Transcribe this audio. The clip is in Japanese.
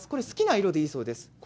好きな色でいいそうです。